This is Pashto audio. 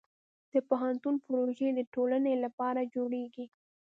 د پوهنتون پروژې د ټولنې لپاره جوړېږي.